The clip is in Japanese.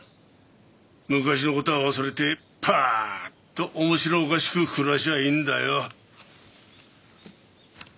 昔の事は忘れてパッと面白おかしく暮らしゃいいんだよ。